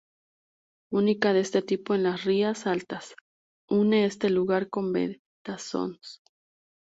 Única de este tipo en las rías Altas, une este lugar con Betanzos.